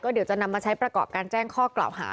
เดี๋ยวจะนำมาใช้ประกอบการแจ้งข้อกล่าวหา